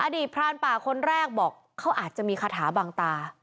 พรานป่าคนแรกบอกเขาอาจจะมีคาถาบางตา